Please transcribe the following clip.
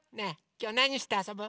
きょうなにしてあそぶ？